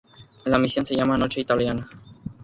La misión se llama "Noche italiana".